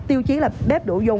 tiêu chí là bếp đủ dùng